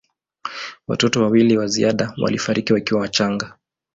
Watoto wawili wa ziada walifariki wakiwa wachanga.